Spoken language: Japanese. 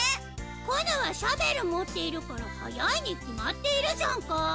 コヌはシャベル持っているから早いに決まっているじゃんか。